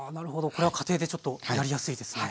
これは家庭でちょっとやりやすいですよね。